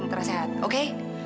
minta rasa sehat oke